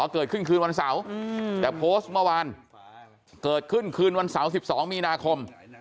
คืนวันเสาร์แต่โพสต์เมื่อวานเกิดขึ้นคืนวันเสาร์๑๒มีนาคม